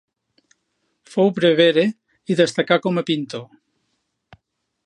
Fou prevere i destacà com a pintor.